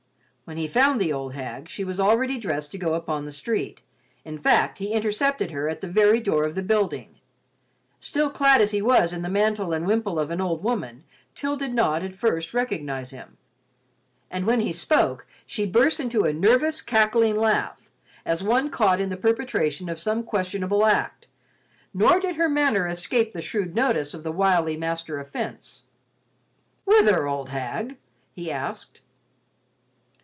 When he found the old hag, she was already dressed to go upon the street, in fact he intercepted her at the very door of the building. Still clad as he was in the mantle and wimple of an old woman, Til did not, at first, recognize him, and when he spoke, she burst into a nervous, cackling laugh, as one caught in the perpetration of some questionable act, nor did her manner escape the shrewd notice of the wily master of fence. "Whither, old hag?" he asked.